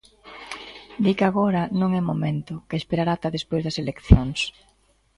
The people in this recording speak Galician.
Di que agora non é o momento, que esperará ata despois das eleccións.